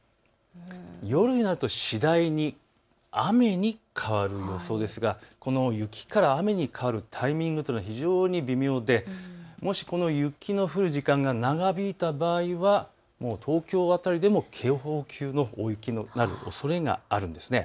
夜になると次第に雨に変わる予想ですがこの雪から雨に変わるタイミングというのは非常に微妙で、もしこの雪の降る時間が長引いた場合は東京辺りでも警報級の大雪になるおそれがあるんです。